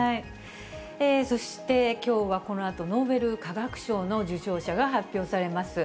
そして、きょうはこのあと、ノーベル化学賞の受賞者が発表されます。